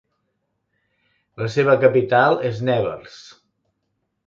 La seva capital és Nevers.